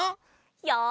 よし！